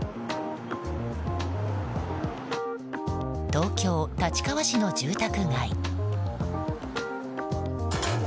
東京・立川市の住宅街。